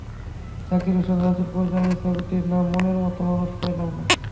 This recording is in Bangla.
জাকির হোসেন রাজুর পরিচালনায় ছবিটির নাম মনের মতো মানুষ পাইলাম না।